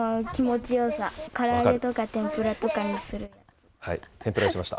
天ぷらにしました。